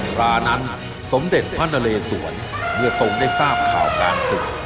ขณะนั้นสมเด็จพนเลสวนเมื่อส่อมได้ทราบข่าวการศึก